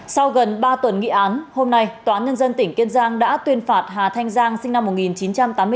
sau gần ba tuần nghị án hôm nay tòa án nhân dân tỉnh kiên giang đã tuyên phạt hà thanh giang sinh năm một nghìn chín trăm tám mươi bốn